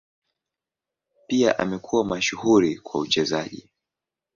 Pia amekuwa mashuhuri kwa uchezaji.